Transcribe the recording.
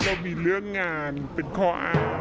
เรามีเรื่องงานเป็นข้ออ้าง